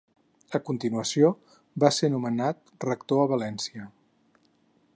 A continuació, va ser nomenat rector a València.